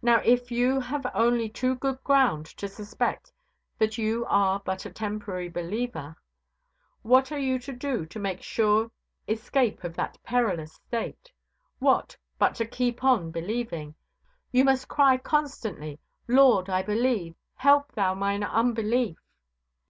Now, if you have only too good ground to suspect that you are but a temporary believer, what are you to do to make your sure escape out of that perilous state? What, but to keep on believing? You must cry constantly, Lord, I believe, help Thou mine unbelief!